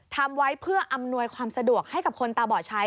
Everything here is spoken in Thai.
ทำไว้เพื่ออำนวยความสะดวกให้กับคนตาบอดใช้